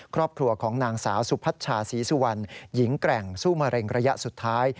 ครอบครัวของนางสาวสุพัชชาศรีสุวรรณหญิงแกร่งสู้มะเร็งระยะสุดท้าย